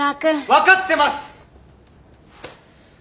分かってます。